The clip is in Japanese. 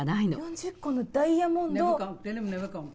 ４０個もダイヤモンドを。